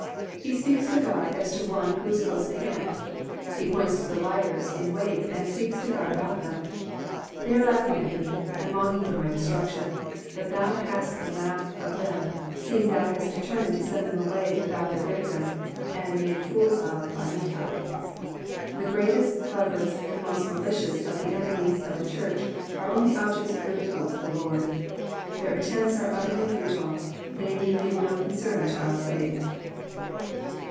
''^ He speaks to God as to one who is close at hand. He points to the Hers in wait and speaks to God about them. They are laughing at me, and longing for my destruction, but thou hast the laugh of them seeing thou hast determined to send them awuy without their victim, and made fools of by Michal. The greatest, cleverest, and most malicious of the enemies of the church are only objects of ridicule to the Lord ; their attempts are utterly futile, they need give no concern to our faith.